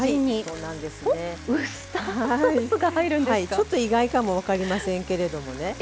ちょっと意外かも分かりませんけれどもね。